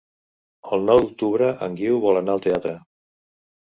El nou d'octubre en Guiu vol anar al teatre.